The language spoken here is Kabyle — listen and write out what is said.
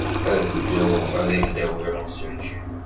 Ad dduɣ ad ak-d-awiɣ imsujji.